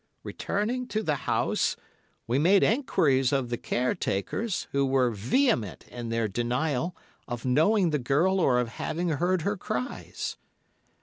"Returning to the house, we made enquiries of the caretakers, who were vehement in their denial of knowing the girl or of having heard her cries.